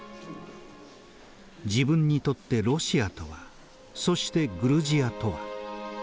「自分にとってロシアとはそしてグルジアとは？」。